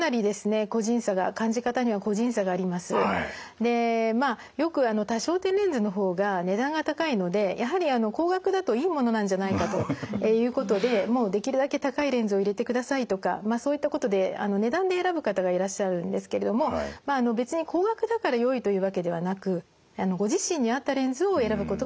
でまあよく多焦点レンズの方が値段が高いのでやはり高額だといいものなんじゃないかということでもうできるだけ高いレンズを入れてくださいとかまあそういったことで値段で選ぶ方がいらっしゃるんですけれどもまあ別に高額だからよいというわけではなくご自身に合ったレンズを選ぶことが一番大切です。